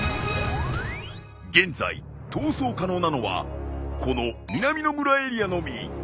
現在逃走可能なのはこの南の村エリアのみ。